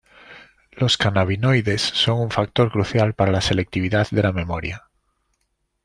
Los cannabinoides son un factor crucial para la selectividad de la memoria.